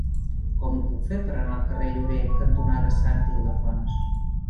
Com ho puc fer per anar al carrer Llorer cantonada Sant Ildefons?